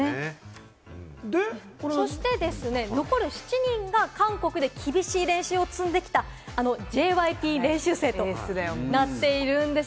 そしてですね、残る７人が韓国で厳しい練習を積んできた、あのＪＹＰ練習生となっているんです。